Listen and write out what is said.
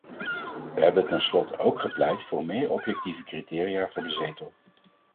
We hebben ten slotte ook gepleit voor meer objectieve criteria voor de zetel.